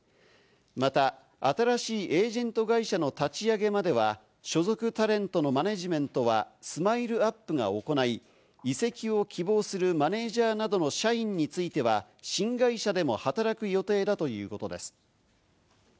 また、新しいエージェント会社の立ち上げまでは、所属タレントのマネジメントはＳＭＩＬＥ‐ＵＰ．が行い、移籍を希望するマネジャーなどの社員については、新会社でも働く予定だということです。